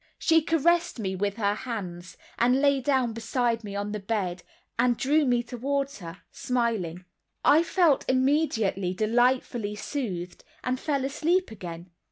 She caressed me with her hands, and lay down beside me on the bed, and drew me towards her, smiling; I felt immediately delightfully soothed, and fell asleep again.